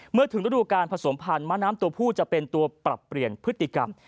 เมื่อถึงฤดูการผสมพันธ์ม้าน้ำตัวผู้จะเป็นตัวปรับเปลี่ยนพฤติกรรม